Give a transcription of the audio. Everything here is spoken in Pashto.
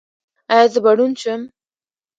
ایا زه به ړوند شم؟